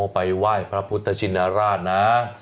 ไปไหว้พระพุทธชินราชนะ